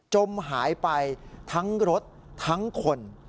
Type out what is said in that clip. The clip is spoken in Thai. จมหายไปทั้งรถทั้งคน